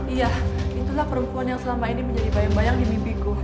iya itulah perempuan yang selama ini menjadi bayang bayang di mimpiku